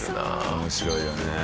面白いよね。